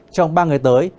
trong ba ngày tới